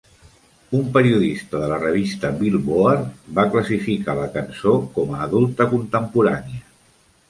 Un periodista de la revista "Billboard" va classificar la cançó com a adulta contemporània.